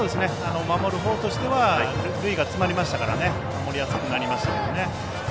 守るほうとしては塁が詰まりましたから守りやすくなりましたけどね。